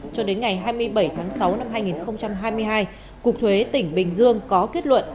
cho đến ngày hai mươi bảy tháng sáu năm hai nghìn hai mươi hai cục thuế tỉnh bình dương có kết luận